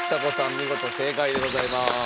見事正解でございます。